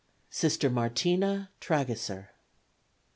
Sister Martina Tragesser.